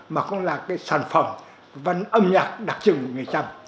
mà cũng là cái sản phẩm văn âm nhạc đặc trưng người chăm